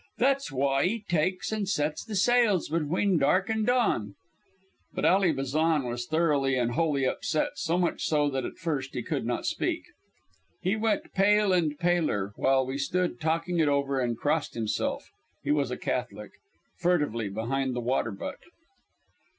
That's w'y 'e takes an' sets the sails between dark an' dawn." But Ally Bazan was thoroughly and wholly upset, so much so that at first he could not speak. He went pale and paler while we stood talking it over, and crossed himself he was a Catholic furtively behind the water butt.